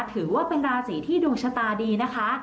ถือว่าเป็นราศีที่ดวงชะตาดีนะคะ